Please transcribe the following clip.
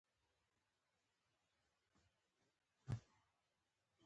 اوسپنه او نور فلزونه له غیر فلزونو سره تعامل کوي.